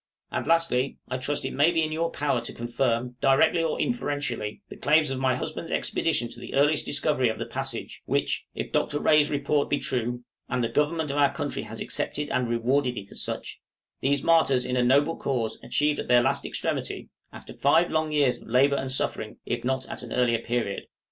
And lastly, I trust it may be in your power to confirm, directly or inferentially, the claims of my husband's expedition to the earliest discovery of the passage, which, if Dr. Rae's report be true (and the Government of our country has accepted and rewarded it as such), these martyrs in a noble cause achieved at their last extremity, after five long years of labor and suffering, if not at an earlier period.